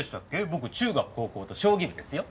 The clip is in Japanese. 僕中学高校と将棋部ですよ。